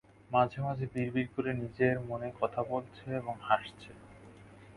মাঝে-মাঝে বিড়বিড় করে নিজের মনে কথা বলছে এবং হাসছে।